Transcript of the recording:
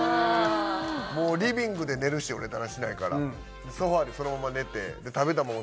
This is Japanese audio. もうリビングで寝るし俺だらしないからソファーでそのまま寝て食べたもん